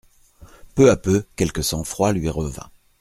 Peu à peu quelque sang-froid lui revint.